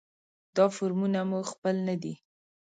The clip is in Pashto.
دا فورمونه مو خپل نه دي.